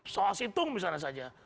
soal situng misalnya saja